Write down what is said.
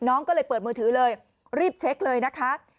น้องก็เลยเปิดมือถือเลยรีบเช็คเลยนะคะ